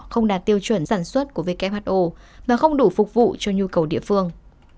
không đạt tiêu chuẩn sản xuất của who mà không đủ phục vụ cho nhu cầu địa phương